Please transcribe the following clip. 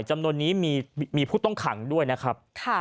จำนวนนี้มีผู้ต้องขังด้วยนะครับ